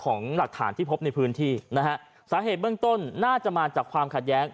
ของหลักฐานที่พบในพื้นที่นะฮะสาเหตุเบื้องต้นน่าจะมาจากความขัดแย้ง